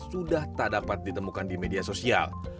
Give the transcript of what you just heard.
sudah tak dapat ditemukan di media sosial